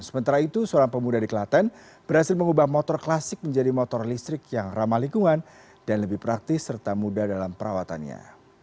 sementara itu seorang pemuda di klaten berhasil mengubah motor klasik menjadi motor listrik yang ramah lingkungan dan lebih praktis serta mudah dalam perawatannya